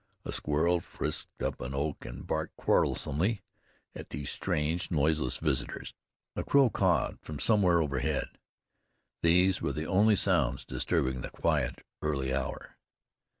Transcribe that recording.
A squirrel frisked up an oak and barked quarrelsomely at these strange, noiseless visitors. A crow cawed from somewhere overhead. These were the only sounds disturbing the quiet early hour.